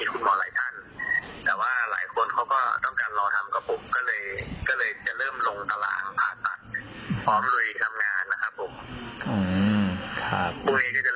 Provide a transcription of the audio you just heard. ผมเองก็จะเริ่มทำงานเลยครับ